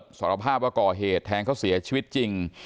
ส่วนทางคดีความในบุญเลิศสรภาพว่าก่อเหตุแทงเขาเสียชีวิตจริง